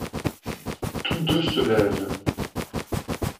Tous deux se lèvent.